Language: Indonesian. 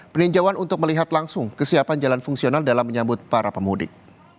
peninjauan untuk melihat langsung kesiapan jalan fungsional dalam menyambut para pemudik